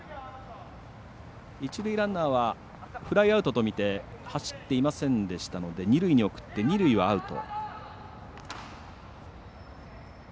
一塁ランナーはフライアウトと見て走っていませんでしたので二塁に送って二塁はアウト。